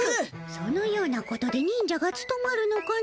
そのようなことでニンジャがつとまるのかの？